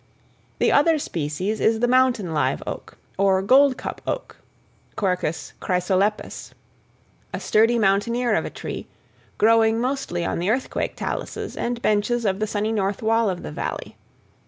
The other species is the mountain live oak, or goldcup oak (Quercus chrysolepis), a sturdy mountaineer of a tree, growing mostly on the earthquake taluses and benches of the sunny north wall of the Valley.